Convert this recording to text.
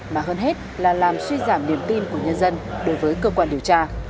mà hơn hết là làm suy giảm niềm tin của nhân dân đối với cơ quan điều tra